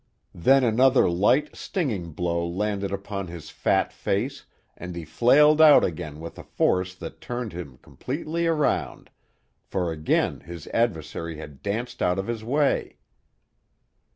Then another light, stinging blow landed upon his fat face and he flailed out again with a force that turned him completely around, for again his adversary had danced out of his way.